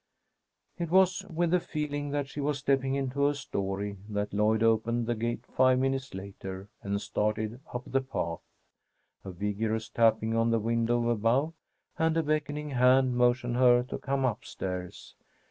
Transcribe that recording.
It was with the feeling that she was stepping into a story that Lloyd opened the gate five minutes later and started up the path. A vigorous tapping on the window above, and a beckoning hand motioned her to come up stairs.